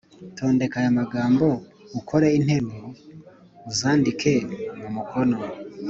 Tondeka aya magambo ukore interuro, uzandike mu mukono.